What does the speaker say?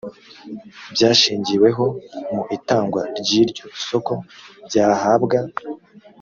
byashingiweho mu itangwa ry iryo soko byahabwa